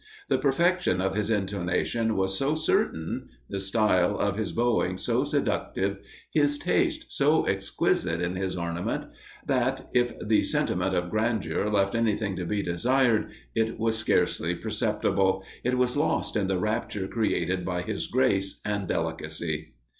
The perfection of his intonation was so certain the style of his bowing so seductive his taste so exquisite in his ornament that, if the sentiment of grandeur left anything to be desired, it was scarcely perceptible, it was lost in the rapture created by his grace and delicacy.